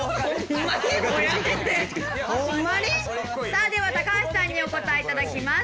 さあでは高橋さんにお答え頂きます。